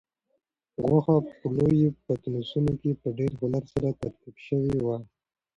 غوښه په لویو پتنوسونو کې په ډېر هنر سره ترتیب شوې وه.